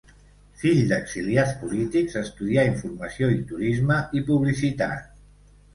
Fill d'exiliats polítics, estudià Informació i Turisme i Publicitat.